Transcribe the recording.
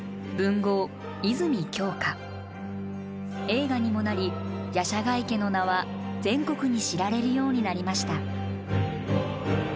映画にもなり夜叉ヶ池の名は全国に知られるようになりました。